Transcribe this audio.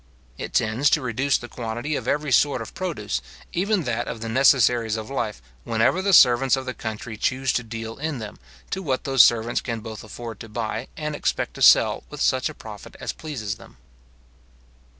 It tends to reduce the quantity of every sort of produce, even that of the necessaries of life, whenever the servants of the country choose to deal in them, to what those servants can both afford to buy and expect to sell with such a profit as pleases them.